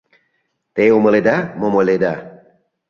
— Те умыледа, мом ойледа?